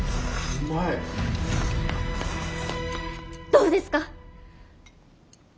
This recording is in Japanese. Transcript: どうですか？